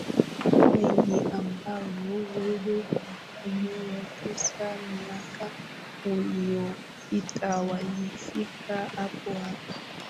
wengi ambao yeye amewatusi miaka uliyopita walifika hapo hapo